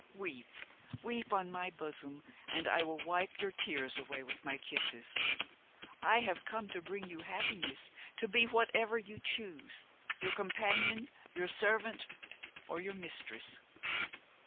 Weep, weep on my bosom, and I will wipe your tears away with my kisses. I have come to bring you happiness, to be whatever you choose–your companion, your servant or your mistress.